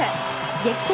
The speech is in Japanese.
劇的